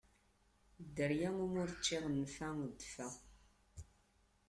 Dderya iwumi ur ččiɣ nnfeɛ, dfeɛ!